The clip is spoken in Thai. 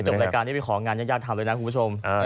เดี๋ยวจบรายการจะไปของงานยากทำเลยนะคุณผู้ชม